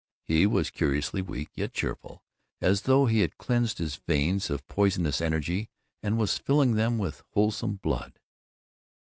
He was curiously weak, yet cheerful, as though he had cleansed his veins of poisonous energy and was filling them with wholesome blood.